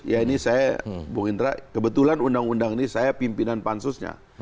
ya ini saya bung indra kebetulan undang undang ini saya pimpinan pansusnya